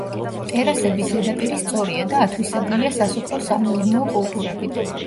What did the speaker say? ტერასების ზედაპირი სწორია და ათვისებულია სასოფლო-სამეურნეო კულტურებით.